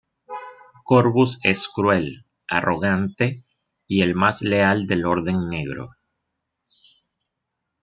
Corvus es cruel, arrogante y el más leal del Orden Negro.